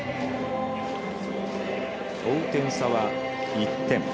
追う点差は１点。